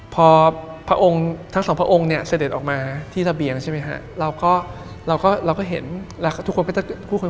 พอทั้งสองพระองค์เสร็จออกมาที่ระเบียงเราก็เห็นทุกคนก็ตะโกน